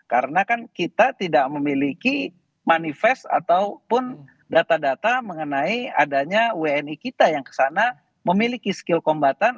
karena kan kita tidak memiliki manifest ataupun data data mengenai adanya wni kita yang ke sana memiliki skill kombatan